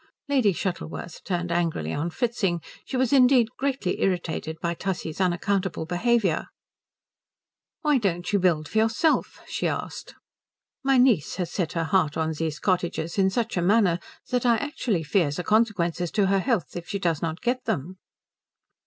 Lady Shuttleworth turned angrily on Fritzing she was indeed greatly irritated by Tussie's unaccountable behaviour. "Why don't you build for yourself?" she asked. "My niece has set her heart on these cottages in such a manner that I actually fear the consequences to her health if she does not get them."